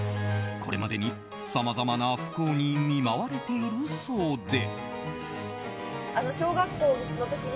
これまでにさまざまな不幸に見舞われているそうで。